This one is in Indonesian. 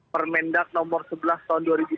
permendak nomor sebelas tahun dua ribu dua puluh